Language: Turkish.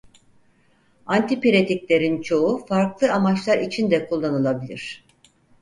Antipiretiklerin çoğu farklı amaçlar için de kullanılabilir.